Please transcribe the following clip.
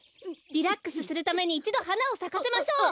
リラックスするためにいちどはなをさかせましょう。